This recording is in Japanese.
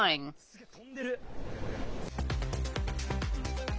すげー、飛んでる。